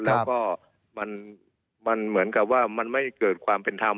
แล้วก็มันเหมือนกับว่ามันไม่เกิดความเป็นธรรม